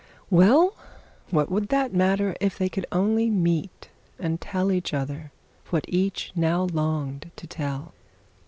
Well; what could that matter if they could only meet and tell each other what each now longed to tell?